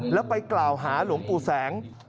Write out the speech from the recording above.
แล้วไปกล่าวหาหลวงปู่แสง